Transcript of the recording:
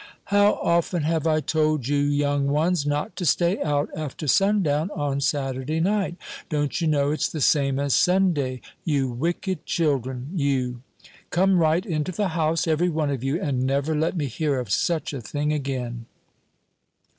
"How often have I told you, young ones, not to stay out after sundown on Saturday night? Don't you know it's the same as Sunday, you wicked children, you? Come right into the house, every one of you, and never let me hear of such a thing again."